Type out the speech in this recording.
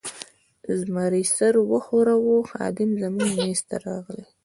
زمري سر و ښوراوه، خادم زموږ مېز ته راغلی.